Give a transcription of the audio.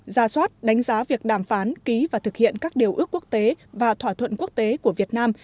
ra soát đánh giá việc đàm phán ký và thực hiện các điều ước quốc tế và thỏa thuận quốc tế của việt nam